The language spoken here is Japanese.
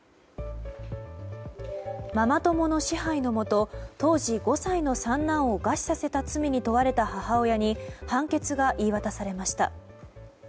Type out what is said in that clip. ママ友の支配のもと当時５歳の三男を餓死させた罪に問われた母親に判決が言い渡されました。